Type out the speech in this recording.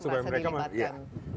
supaya mereka merasa dilipatkan